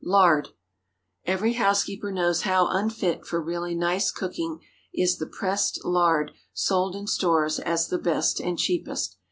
LARD. Every housekeeper knows how unfit for really nice cooking is the pressed lard sold in stores as the "best and cheapest."